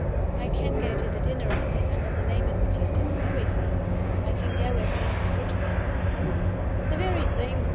"I can go to the dinner," I said, "under the name in which Eustace married me. I can go as 'Mrs. Woodville.'" "The very thing!"